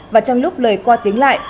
và trong lúc lời qua tiếng lại